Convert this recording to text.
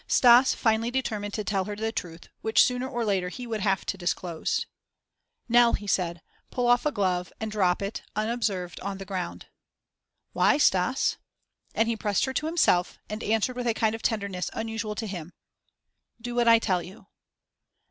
Stas finally determined to tell her the truth, which sooner or later he would have to disclose. "Nell," he said, "pull off a glove and drop it, unobserved, on the ground." "Why, Stas?" And he pressed her to himself and answered with a kind of tenderness unusual to him: "Do what I tell you."